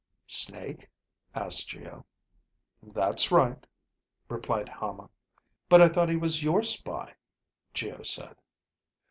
"Snake?" asked Geo. "That's right," replied Hama. "But I thought he was your spy," Geo said.